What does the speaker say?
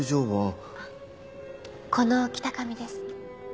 この北上です。